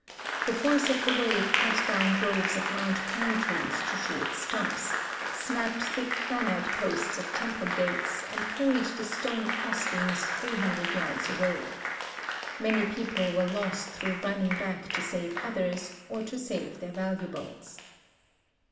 The force of the wave cut down groves of large pine trees to short stumps, snap|)ed thick granite posts of temple gates and carried the stone cross beams 300 yards away. Many jjeople were lost through running back to save others or to save their valuables.